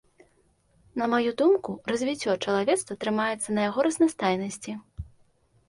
На маю думку, развіццё чалавецтва трымаецца на яго разнастайнасці.